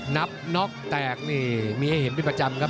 นับน็อกแตกนี่มีให้เห็นเป็นประจำครับ